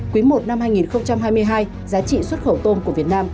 quý i năm hai nghìn hai mươi hai giá trị xuất khẩu tôm của việt nam